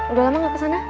udah lama nggak kesana